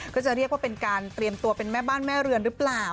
ก็จะเรียกว่าเป็นการเตรียมตัวเป็นแม่บ้านแม่เรือนหรือเปล่า